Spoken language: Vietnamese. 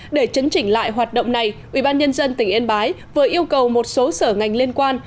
để chấn chỉnh lại hoạt động này ubnd tỉnh yên bái vừa yêu cầu một số sở ngành liên quan